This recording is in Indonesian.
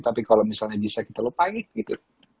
tapi kalau misalnya bisa kita lupain gitu